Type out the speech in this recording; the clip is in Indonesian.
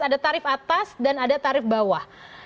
ada tarif atas dan ada tarif bawah